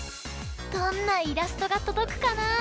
どんなイラストがとどくかな！